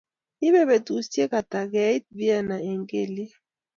ibe betusiwk ata keit vienna Eng' keliek?